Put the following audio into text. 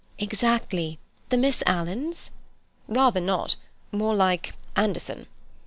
"Exactly. The Miss Alans?" "Rather not. More like Anderson."